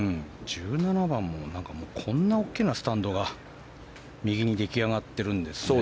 １７番もこんな大きなスタンドが右に出来上がってるんですね。